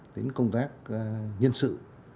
đến công tác nhân sự